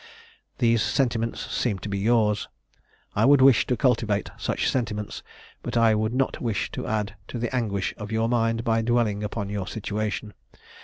These sentiments seem to be yours; I would wish to cultivate such sentiments; but I would not wish to add to the anguish of your mind by dwelling upon your situation.